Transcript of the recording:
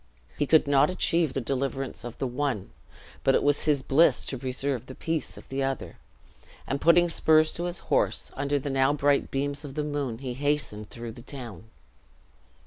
He could not achieve the deliverance of the one, but it was his bliss to preserve the peace of the other; and putting spurs to his horse, under the now bright beams of the moon he hastened through the town.